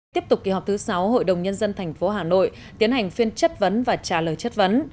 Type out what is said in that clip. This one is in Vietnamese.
tiếp tục kỳ họp thứ sáu hội đồng nhân dân tp hà nội tiến hành phiên chất vấn và trả lời chất vấn